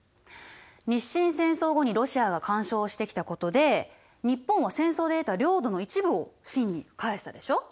日清戦争後にロシアが干渉してきたことで日本は戦争で得た領土の一部を清に返したでしょ。